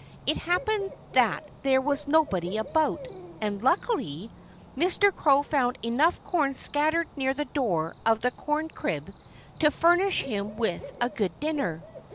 It happened that there was nobody about. And, luckily, Mr. Crow found enough corn scattered near the door of the corn crib to furnish him with a good dinner.